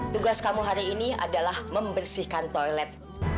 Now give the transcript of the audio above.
tugas kamu hari ini adalah membersihkan toilet